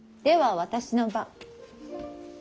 では私の番。